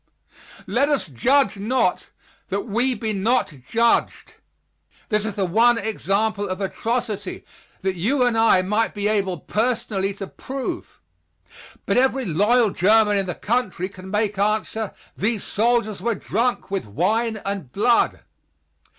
Let us judge not, that we be not judged. This is the one example of atrocity that you and I might be able personally to prove. But every loyal German in the country can make answer: "These soldiers were drunk with wine and blood.